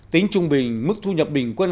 tính trung bình mức thu nhập bình quân